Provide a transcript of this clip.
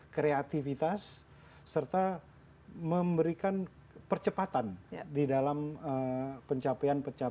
kreativitas serta memberikan percepatan di dalam pencapaian pencapaian